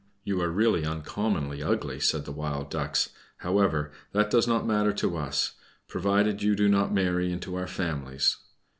"You are really uncommonly ugly!" said the Wild Ducks. "However, that does not matter to us, provided you do not marry into our families."